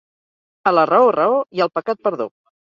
A la raó, raó, i al pecat, perdó.